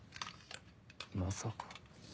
まさか。